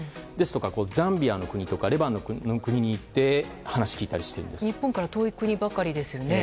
ザンビアとかレバノンに行って日本から遠い国ばかりですよね。